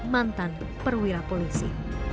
mantan perwira polisi